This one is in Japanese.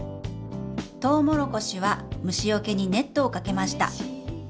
トウモロコシは虫よけにネットをかけました！